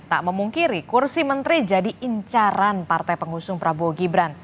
tak memungkiri kursi menteri jadi incaran partai pengusung prabowo gibran